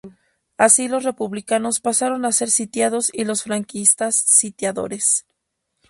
Así, los republicanos pasaron a ser sitiados y los franquistas, sitiadores.